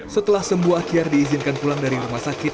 setelah sembuh akyar diizinkan pulang dari rumah sakit